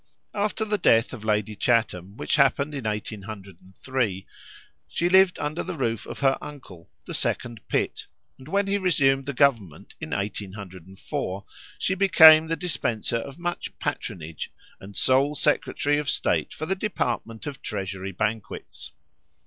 After the death of Lady Chatham, which happened in 1803, she lived under the roof of her uncle, the second Pitt, and when he resumed the Government in 1804, she became the dispenser of much patronage, and sole secretary of state for the department of Treasury banquets.